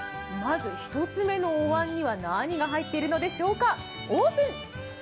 まず１つ目のおわんには何が入っているのでしょうか。